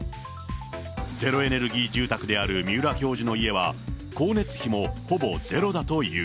ゼロエネルギー住宅である三浦教授の家は、光熱費もほぼゼロだという。